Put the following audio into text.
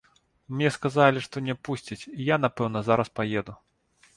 Мне сказалі, што не пусцяць і я, напэўна, зараз паеду.